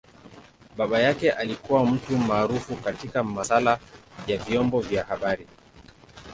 Baba yake alikua mtu maarufu katika masaala ya vyombo vya habari.